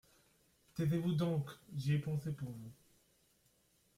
Taisez-vous donc ! j’y ai pensé pour vous.